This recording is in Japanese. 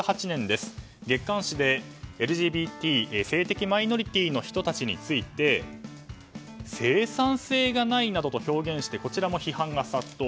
月刊誌でＬＧＢＴ性的マイノリティーの人たちについて生産性がないなどと表現してこちらも批判が殺到。